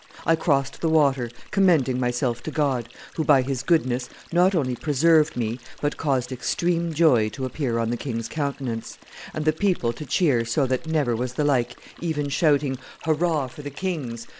I crossed the water, commending myself to God, who, by His goodness, not only preserved me, but caused extreme joy to appear on the king's countenance, and the people to cheer so that never was the like, even shouting, Hurrah for the kings!